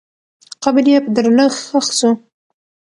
قبر یې په درنښت ښخ سو.